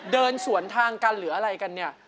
เดินสวนทางกันหรืออะไรกันเนี่ย